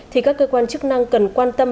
thì các cơ quan chức năng cần quan tâm